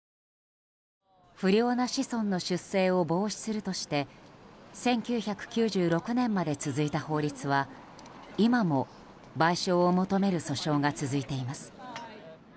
不良な子孫の出生を防止するとして１９９６年まで続いた法律は今も賠償を求める訴訟が続いています。